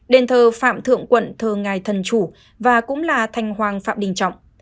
đền thờ phạm thượng quận thờ ngài thần chủ và cũng là thành hoàng phạm đình trọng